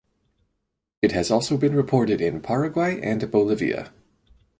It has also been reported in Paraguay and Bolivia.